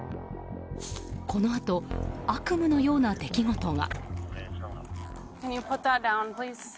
このあと、悪夢のような出来事が。